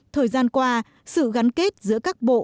thời gian qua sự gắn kết giữa các bộ